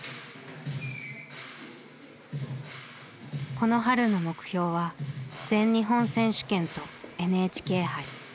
この春の目標は全日本選手権とＮＨＫ杯。